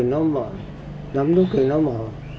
nó mở lắm lúc thì nó mở